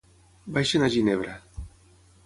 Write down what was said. Baixen a Ginebra.